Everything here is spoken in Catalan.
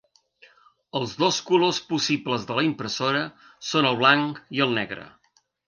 Els dos colors possibles de la impressora són el blanc i el negre.